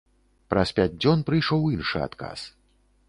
Праз пяць дзён прыйшоў іншы адказ.